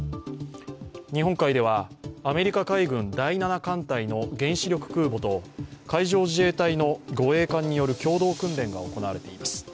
日本海ではアメリカ海軍第７艦隊の原子力空母と海上自衛隊の護衛官による共同訓練が行われています。